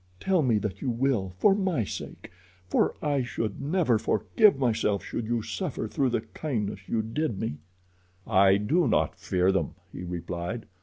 Tell me that you will, for my sake, for I should never forgive myself should you suffer through the kindness you did me." "I do not fear them," he replied.